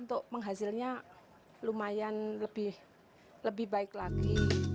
untuk penghasilnya lumayan lebih baik lagi